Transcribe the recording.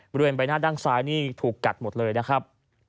บริเวณใบหน้าด้านซ้ายนี่ถูกกัดหมดเลยนะครับ